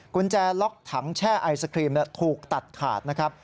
กุญแจล็อกถังแช่ไอศครีมถูกตัดขาดนะครับ